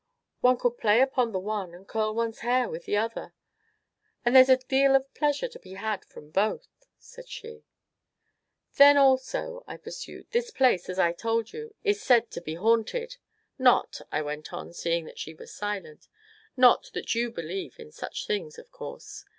"One could play upon the one and curl one's hair with the other, and there is a deal of pleasure to be had from both," said she. "Then also," I pursued, "this place, as I told you, is said to be haunted not," I went on, seeing that she was silent, "not that you believe in such things, of course?